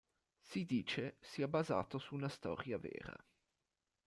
Si dice sia basato su una storia vera.